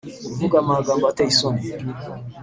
Kuvuga amagambo ateye isoni